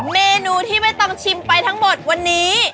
เมนูที่ไม่ต้องชิมไปทั้งหมดวันนี้